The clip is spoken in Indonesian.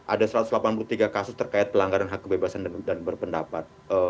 ada satu ratus delapan puluh tiga kasus terkait pelanggaran hak kebebasan dan berpendapat